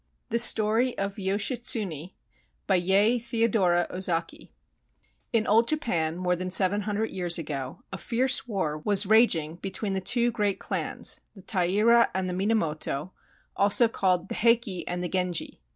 THE STORY OF YOSHITSUNE BY YEI THEODORA OZAKI In Old Japan more than seven hundred years ago a fierce war was raging between the two great clans, the Taira and the Minamoto, also called the Heike and the Genji.